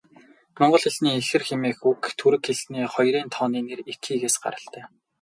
Монгол хэлний ихэр хэмээх үг түрэг хэлний хоёрын тооны нэр 'ики'-ээс гаралтай.